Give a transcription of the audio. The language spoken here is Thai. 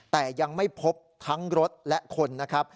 แต่ยังไม่พบทั้งรถและคนนะครับ